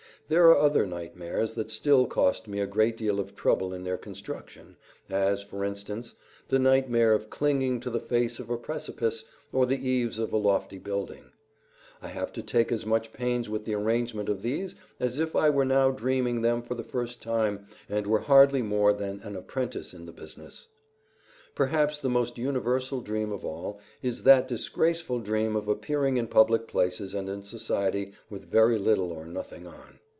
There are other nightmares that still cost me a great deal of trouble in their construction, as, for instance, the nightmare of clinging to the face of a precipice or the eaves of a lofty building; I have to take as much pains with the arrangement of these as if I were now dreaming them for the first time and were hardly more than an apprentice in the business. Perhaps the most universal dream of all is that disgraceful dream of appearing in public places and in society with very little or nothing on.